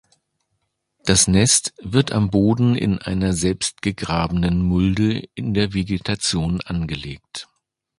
Das Nest wird am Boden in einer selbst gegrabenen Mulde in der Vegetation angelegt.